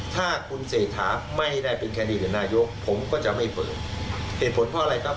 ถ้าคุณเศรษฐาไม่ได้เป็นแคนดิเดตนายกผมก็จะไม่เปิดเหตุผลเพราะอะไรครับ